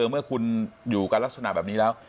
เมื่อคุณอยู่กันลักษณะแบบนี้แล้ว